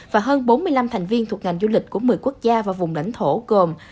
và hơn bốn mươi năm thành viên thuộc ngành du lịch của một mươi quốc gia và vùng lãnh thổ gồm